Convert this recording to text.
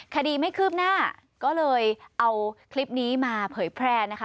คดีไม่คืบหน้าก็เลยเอาคลิปนี้มาเผยแพร่นะคะ